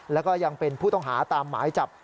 แล้วก็ยังเป็นผู้ต้องหาตามหมายจับ